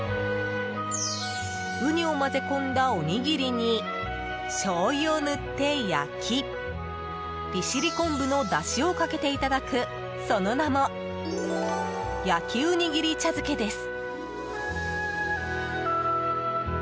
ウニを混ぜ込んだおにぎりにしょうゆを塗って焼き利尻昆布のだしをかけていただくその名も焼き雲丹ぎり茶漬けです。